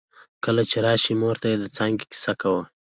کله چې راشې مور ته يې د څانګې کیسه کوي